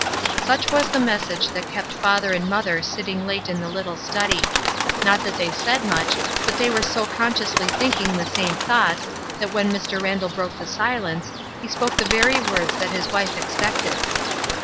Such was the message that kept father and mother sitting late in the httle study. Not that they said much, but they were so consciously thinking the same thoughts, that when Mr. 100 ESTER RIED'S NAMESAKE Randall broke the silence, he spoke the very words that his wife expected.